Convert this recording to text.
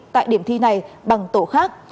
tại điểm thi này bằng tổ khác